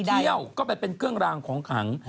เบี้ยวก็ไปเป็นเครื่องรางของขัง